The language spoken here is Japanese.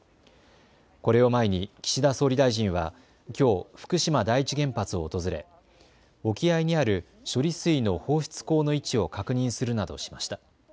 これを前に岸田総理大臣はきょう福島第一原発を訪れ沖合にある処理水の放出口の位置を確認するなどしました。